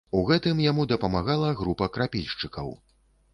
У гэтым яму дапамагала група крапільшчыкаў.